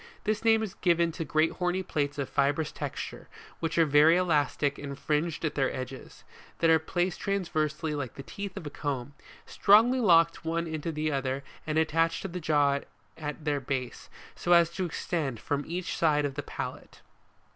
This name is given to great horny plates of fibrous texture, which are very elastic and fringed at their edges, that are placed transversely like the teeth of a comb, strongly locked one into the other and attached to the jaw at their base, so as to extend from each side of the palate, (Plate 6 fig.